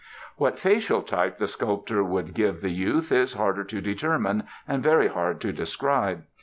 What facial type the sculptor would give the youth is harder to determine, and very hard to describe.